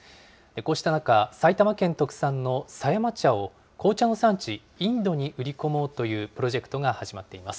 こうした中、埼玉県特産の狭山茶を紅茶の産地、インドに売り込もうというプロジェクトが始まっています。